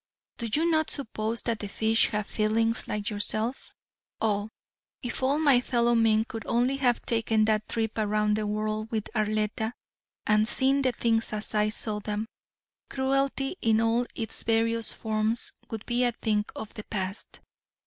Do you not suppose that the fish have feelings like yourself? Oh, if all my fellowmen could only have taken that trip around the world with Arletta and seen things as I saw them, cruelty in all its various forms would be a thing of the past.